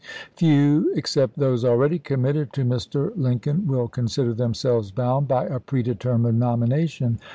Few except those already committed to Mr. Lincoln will consider themselves bound by a predetermined nomination.